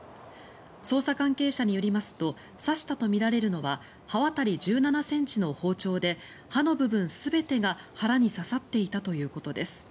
捜査関係者によりますと刺したとみられるのは刃渡り１７ｃｍの包丁で刃の部分全てが腹に刺さっていたということです。